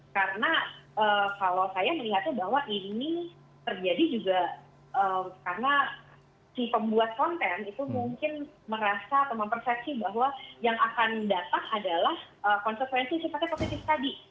karena kalau saya melihatnya bahwa ini terjadi juga karena si pembuat konten itu mungkin merasa atau mempersepsi bahwa yang akan datang adalah konsekuensi yang sifatnya positif tadi